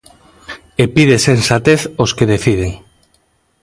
E pide sensatez aos que deciden.